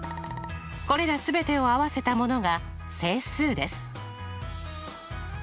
これら全てを合わせたものが整数です。